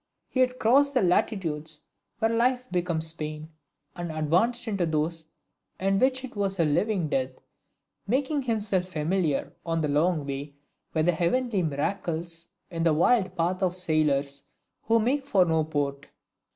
He had crossed the latitudes where life becomes pain, and advanced into those in which it is a living death, making himself familiar, on the long way, with the heavenly miracles in the wild path of sailors who make for no port!